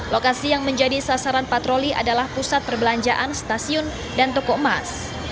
lokasi yang menjadi sasaran patroli adalah pusat perbelanjaan stasiun dan toko emas